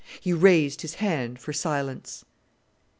He raised his hand for silence.